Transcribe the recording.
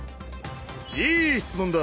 いい質問だ。